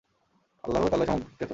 আল্লাহ তাআলাই সম্যক জ্ঞাত।